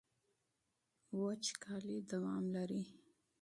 وچکالي دوام لري.